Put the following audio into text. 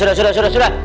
sudah sudah sudah sudah